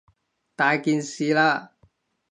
大件事喇！